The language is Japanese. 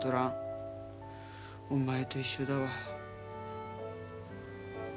お前と一緒だわ。